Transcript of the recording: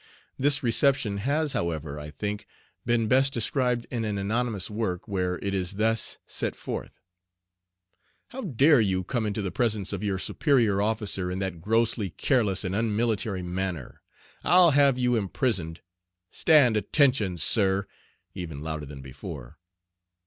This reception has, however, I think, been best described in an anonymous work, where it is thus set forth: "How dare you come into the presence of your superior officer in that grossly careless and unmilitary manner? I'll have you imprisoned. Stand, attention, sir!" (Even louder than before.)